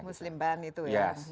muslim ban itu ya